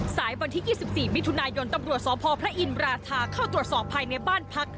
วันที่๒๔มิถุนายนตำรวจสพพระอินราชาเข้าตรวจสอบภายในบ้านพัก